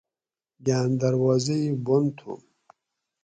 گاۤن دروازہ ئ بُن تھو